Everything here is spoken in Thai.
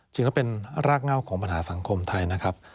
จริงแล้วเป็นรากเง่าของปัญหาสังคมไทยนะครับ